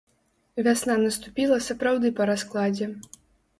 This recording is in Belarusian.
Вясна наступіла сапраўды па раскладзе.